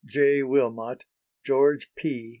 "J. Wilmot." "George P."